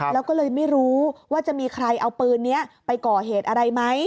แล้วก็เลยไม่รู้ว่าจะมีใครเอาปืนนี้ไปก่อเหตุอะไรไหม